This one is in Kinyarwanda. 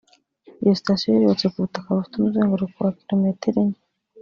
Iyo sitasiyo yari yubatse ku butaka bufite umuzenguruko wa Kilometero enye